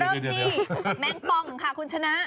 เริ่มที่แมงปองค่ะคุณชนะ